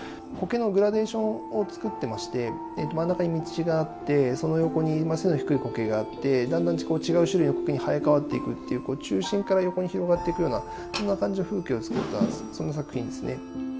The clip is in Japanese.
苔のグラデーションを作ってまして真ん中に道があってその横に低い苔があってだんだんこう違う種類の苔に生え替わっていくっていう中心から横に広がっていくようなそんな感じの風景を作ったそんな作品ですね。